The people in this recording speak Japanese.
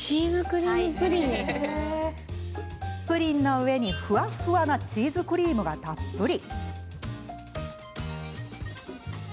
プリンの上に、ふわふわなチーズクリームがたっぷり。